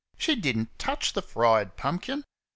She did n't touch the fried pumpkin.